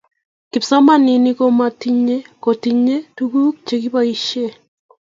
kipsomaninik komokotin kotinyei tukuk chekibaishe